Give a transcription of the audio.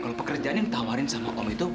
kalau pekerjaan yang ditawarin sama om itu